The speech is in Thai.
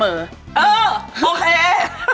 เออโอเค